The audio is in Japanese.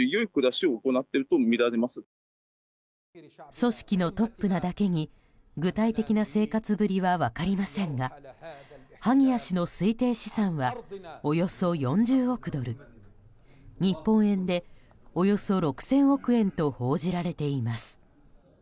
組織のトップなだけに具体的な生活ぶりは分かりませんがハニヤ氏の推定資産はおよそ４０億ドル日本円で、およそ６０００億円と報じられています。